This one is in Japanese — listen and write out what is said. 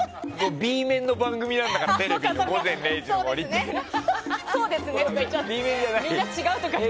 Ｂ面の番組なんだから。